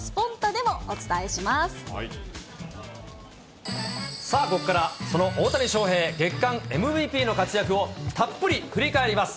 でもおさあ、ここからその大谷翔平、月間ＭＶＰの活躍をたっぷり振り返ります。